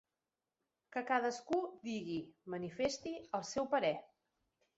Que cadascú digui, manifesti, el seu parer.